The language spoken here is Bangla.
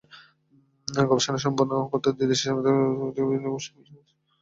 গবেষণা সম্পন্ন করতে দুই দেশের সীমান্তে অবস্থিত বিভিন্ন শুল্কস্টেশন পরিদর্শন করেছেন কাটসের গবেষকেরা।